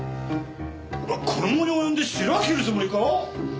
うわっこの期に及んでしらを切るつもりか？